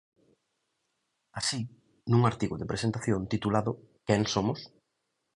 Así, nun artigo de presentación titulado Quen somos?